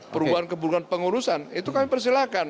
perubahan keburukan pengurusan itu kami persilakan